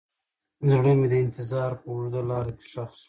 زړه مې د انتظار په اوږده لاره کې ښخ شو.